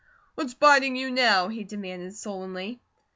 "What's biting you now?" he demanded, sullenly.